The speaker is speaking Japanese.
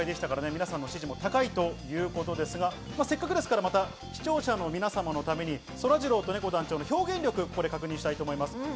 皆さんの支持も高いということですが、せっかくですから、視聴者の皆様のためにそらジローとねこ団長の表現力を確認します。